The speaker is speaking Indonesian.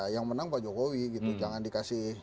yang menang pak jokowi gitu jangan dikasih